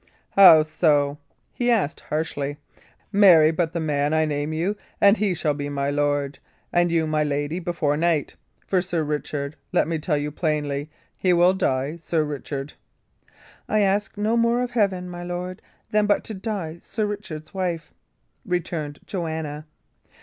"How so?" he asked, harshly. "Marry but the man I name to you, and he shall be my lord, and you my lady, before night. For Sir Richard, let me tell you plainly, he will die Sir Richard." "I ask no more of Heaven, my lord, than but to die Sir Richard's wife," returned Joanna.